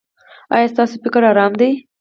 ایا ستاسو فکر ارام دی؟